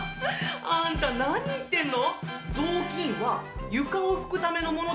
あんた何言ってんの？